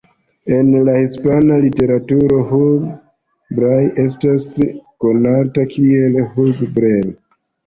En la hispana literaturo Hugh Blair estas konata kiel Hugo Blair.